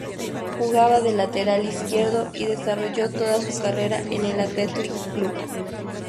Jugaba de lateral izquierdo y desarrolló toda su carrera en el Athletic Club.